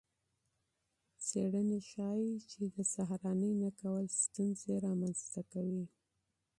څیړنې ښيي چې د سهارنۍ نه کول ستونزې رامنځته کوي.